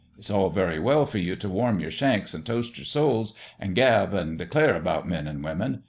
It's all very well for you t' warm your shanks, an* toast your souls, an' gab an' declare about men an' women.